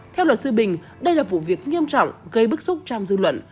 theo luật sư bình đây là vụ việc nghiêm trọng gây bức xúc trong dư luận